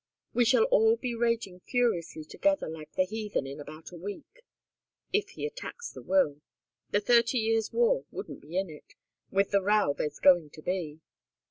We shall all be raging furiously together like the heathen in about a week, if he attacks the will. The Thirty Years' War wouldn't be in it, with the row there's going to be."